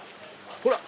ほら！